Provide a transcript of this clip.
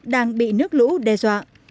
đang bị nước lũ đe dọa